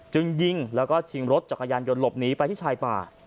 จึงยิงแล้วก็ชิงรถจักรยานยนต์หลบหนีไปที่ชายป่า